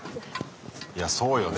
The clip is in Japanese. いやそうよね。